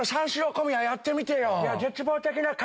小宮やってみてよ。